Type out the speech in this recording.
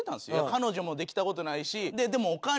彼女もできた事ないし。